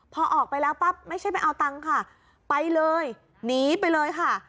พอออกไปแล้วปั๊บไม่ใช่ไปเอาตังค์ค่ะไปเลยหนีไปเลยค่ะ